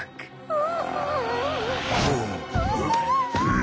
あ。